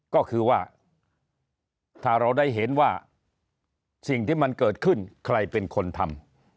ก็คือว่าถ้าเราได้เห็นว่าสิ่งที่มันเกิดขึ้นใครเป็นคนทำ